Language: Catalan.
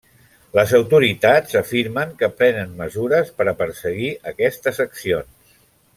Les autoritats afirmen que prenen mesures per a perseguir aquestes accions.